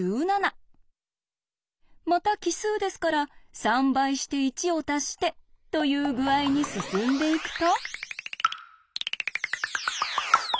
また奇数ですから３倍して１をたしてという具合に進んでいくと。